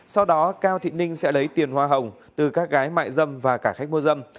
sau đó cao thị ninh sẽ lấy tiền hoa hồng từ các gái mại dâm và cả khách mua dâm